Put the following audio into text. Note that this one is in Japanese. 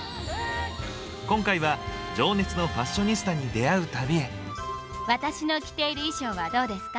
今回は情熱のファッショニスタに出会う旅へ私の着ている衣装はどうですか？